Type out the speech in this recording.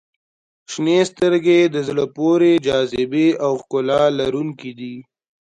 • شنې سترګې د زړه پورې جاذبې او ښکلا لرونکي دي.